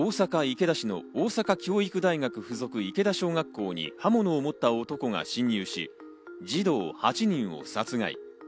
池田市の大阪教育大学附属池田小学校に刃物を持った男が侵入し、児童８人を殺害。